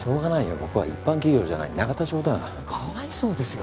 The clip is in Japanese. ここは一般企業じゃなかわいそうですよ。